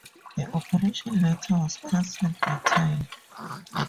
The operation later was canceled entirely.